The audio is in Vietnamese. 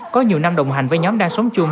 có nhiều năm đồng hành với nhóm đang sống chung